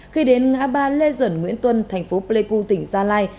khi đến ngã ba lê duẩn nguyễn tuân thành phố pleiku tỉnh gia lai